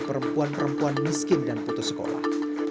perempuan perempuan miskin dan putus sekolah